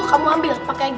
ambil pakai gigi